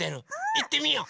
いってみよう。